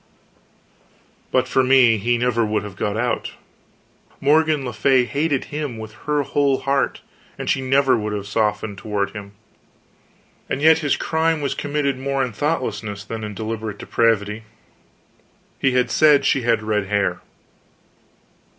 But for me, he never would have got out. Morgan le Fay hated him with her whole heart, and she never would have softened toward him. And yet his crime was committed more in thoughtlessness than deliberate depravity. He had said she had red hair.